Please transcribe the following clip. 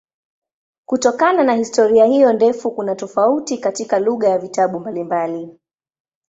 Kutokana na historia hiyo ndefu kuna tofauti katika lugha ya vitabu mbalimbali.